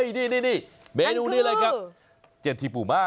เฮ้ยนี่เมนูนี้เลยครับอันคือเจ็ดที่ปูมา